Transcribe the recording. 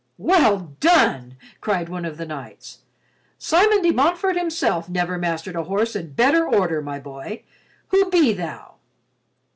"Well done!" cried one of the knights. "Simon de Montfort himself never mastered a horse in better order, my boy. Who be thou?"